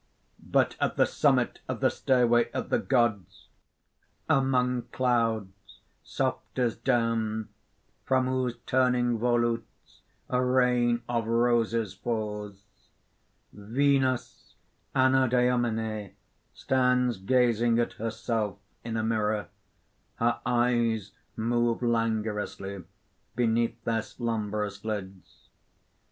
_ _But at the summit of the stairway of the Gods, among clouds soft as down, from whose turning volutes a rain of roses falls, Venus Anadyomene stands gazing at herself in a mirror: her eyes move languorously beneath their slumbrous lids.